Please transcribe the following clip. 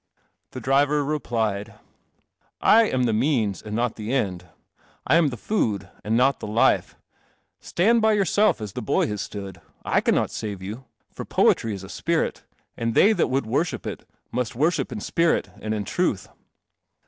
The driver replied, " I am the means and not the end. I am the food and not the life. Stand by yourself, as that boy has stood. I cannot save you. For poetry is a spirit; and they that would worship it must worship in spirit and in truth."